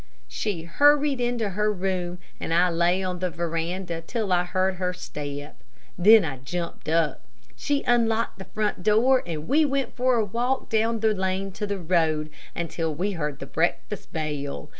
She hurried into her room, and I lay on the veranda till I heard her step. Then I jumped up. She unlocked the front door, and we went for a walk down the lane to the road until we heard the breakfast bell.